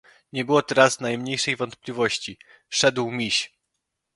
"Nie było teraz najmniejszej wątpliwości: szedł miś!"